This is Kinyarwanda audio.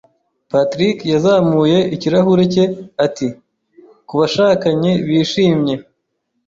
Patrick yazamuye ikirahure cye, ati: "Kubashakanye bishimye!"